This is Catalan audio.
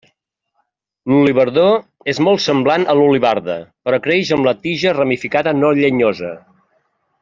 L'olivardó és molt semblant a l'olivarda, però creix amb la tija ramificada no llenyosa.